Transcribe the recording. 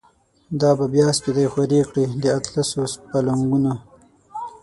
دا به بیا سپیدی خوری کړی، داطلسو پالنګونو